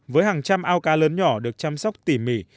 với hàng trăm ao cá lớn nhỏ được chăm sóc tỉ mỉ